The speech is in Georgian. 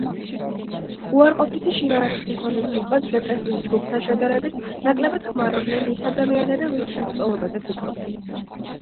უარყოფითი შინაარსის მქონე სიტყვებს დეპრესიის ჯგუფთან შედარებით, ნაკლებად ხმარობდნენ ის ადამიანები, ვინც თვითმკვლელობაზე ფიქრობდა.